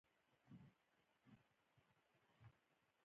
آب وهوا د افغانانو د تفریح یوه وسیله ده.